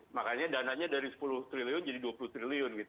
makanya dananya dari sepuluh triliun jadi dua puluh triliun